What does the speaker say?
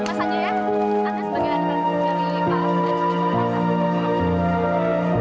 mas saja ya anda sebagai anak anak dari pak baju